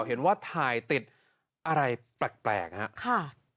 เห็นว่าถ่ายติดอะไรแปลกครับ